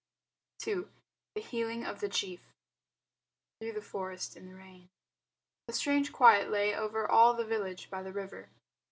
II. THE HEALING OF THE CHIEF Through the Forest in the Rain A strange quiet lay over all the village by the river.